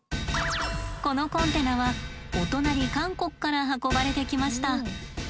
このコンテナはお隣韓国から運ばれてきました。